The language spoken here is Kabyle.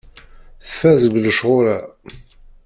Tfaz deg lecɣal-a.